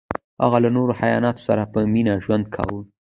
هغه له نورو حیواناتو سره په مینه ژوند کاوه.